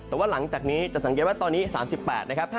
แต่ว่าหลังจากนี้จะสังเกตว่าตอนนี้๓๘นะครับ